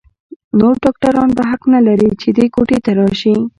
نور ډاکتران به حق نه لري چې دې کوټې ته راشي.